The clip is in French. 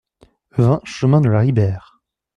vingt chemin de la Ribeyre